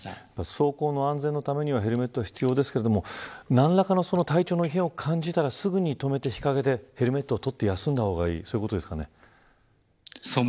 走行の安全のためにはヘルメットは必要ですが何らかの体調の異変を感じたらすぐに止めて日陰でヘルメットを取って休んだ方がいいということですかね。